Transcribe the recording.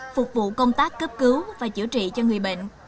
phục vụ công tác cấp cứu và chữa trị cho người bệnh